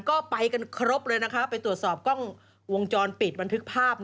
ก็ไปกันครบเลยนะคะไปตรวจสอบกล้องวงจรปิดบันทึกภาพ